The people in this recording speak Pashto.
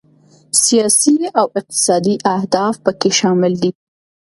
سیاسي او اقتصادي اهداف پکې شامل دي.